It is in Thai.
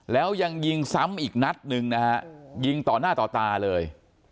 แล้วยังยิงซ้ำอีกนัดหนึ่งนะฮะยิงต่อหน้าต่อตาเลย